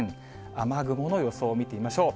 雨雲の予想を見てみましょう。